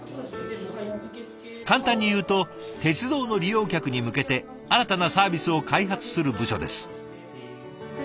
簡単に言うと鉄道の利用客に向けて新たなサービスを開発する部署です。